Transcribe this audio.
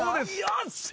よっしゃ。